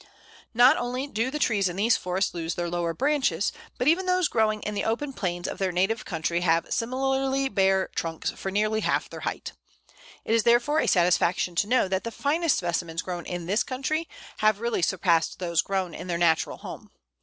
Not only do the trees in these forests lose their lower branches, but even those growing in the open plains of their native country have similarly bare trunks for nearly half their height. It is therefore a satisfaction to know that the finest specimens grown in this country have really surpassed those grown in their natural home.